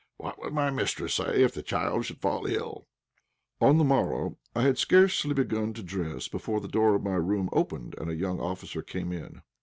What would my mistress say if the child should fall ill?" On the morrow, I had scarcely begun to dress before the door of my room opened, and a young officer came in.